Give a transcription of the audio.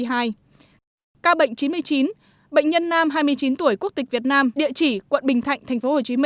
ca bệnh chín mươi chín bệnh nhân nam hai mươi chín tuổi quốc tịch việt nam địa chỉ quận bình thạnh tp hcm